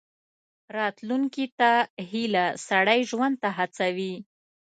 راتلونکي ته هیله، سړی ژوند ته هڅوي.